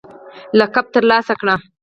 لقب ترلاسه کړ